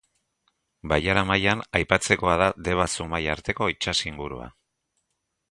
Bailara mailan aipatzekoa da Deba-Zumaia arteko itsas ingurua.